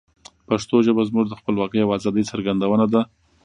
پښتو ژبه زموږ د خپلواکۍ او آزادی څرګندونه ده.